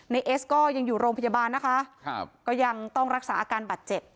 เอสก็ยังอยู่โรงพยาบาลนะคะครับก็ยังต้องรักษาอาการบาดเจ็บ